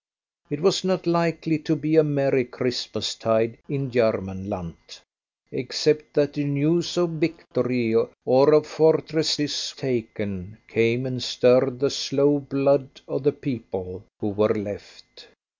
It was not likely to be a merry Christmastide in Germanland, except that the news of victory, or of fortresses taken, came and stirred the slow blood of the people who were left.